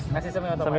masih semi otomatis